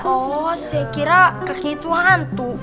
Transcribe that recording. oh saya kira kakek itu hantu